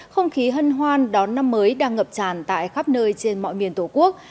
không khí hân hoan đón năm mới đang ngập tràn tại khắp nơi trên mọi miền tổ quốc